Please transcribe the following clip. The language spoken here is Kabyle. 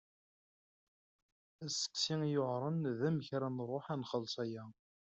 Asteqsi i yuɛṛen d amek ara nṛuḥ ad nxelleṣ aya.